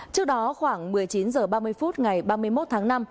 trước đó khoảng một mươi chín h ba mươi phút ngày ba mươi một tháng năm